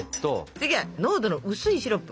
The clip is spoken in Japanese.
次は濃度の薄いシロップ。